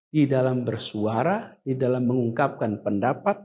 di dalam bersuara di dalam mengungkapkan pendapat